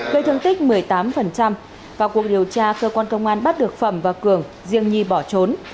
gây thương tích một mươi tám vào cuộc điều tra cơ quan công an bắt được phẩm và cường riêng nhi bỏ trốn